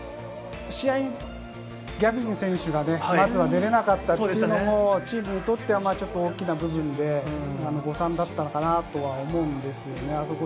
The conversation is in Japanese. ギャビン選手が出られなかったところもチームにとっては大きな部分で、誤算だったのかなと思うんですよね。